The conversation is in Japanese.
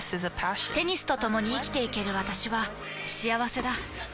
テニスとともに生きていける私は幸せだ。